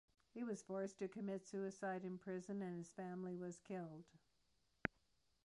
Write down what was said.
He was forced to commit suicide in prison, and his family was killed.